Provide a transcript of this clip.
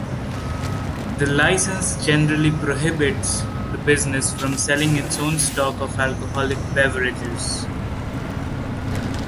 The license generally prohibits the business from selling its own stock of alcoholic beverages.